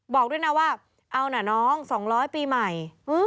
บอกด้วยนะว่าเอานะน้อง๒๐๐ปีใหม่